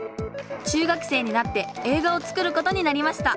中学生になって映画を作ることになりました。